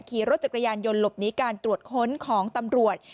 ขี่รถจักรยานยนต์หลบหนีการตรวจค้นของตำรวจ